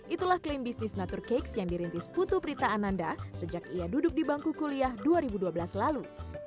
itulah klaim bisnis natur cakes yang dirintis putu prita ananda sejak ia duduk di bangku kuliah dua ribu dua belas lalu